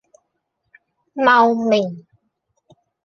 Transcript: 茂名